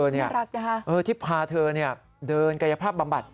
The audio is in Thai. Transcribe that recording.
รักไหมฮะอือที่พาเธอเดินกายภาพบำบัด